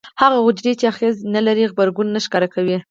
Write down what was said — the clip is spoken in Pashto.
هغه حجرې چې آخذې نه لري غبرګون نه ښکاره کوي.